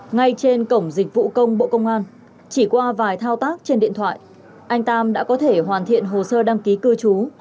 ngay trên cổng dịch vụ công bộ công an chỉ qua vài thao tác trên điện thoại anh tam đã có thể hoàn thiện hồ sơ đăng ký cư trú